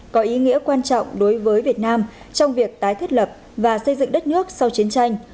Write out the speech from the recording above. có ý nghĩa quan trọng đối với việt nam trong việc tái thiết lập và xây dựng đất nước sau chiến tranh